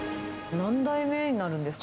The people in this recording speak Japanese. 何代目になるんですか？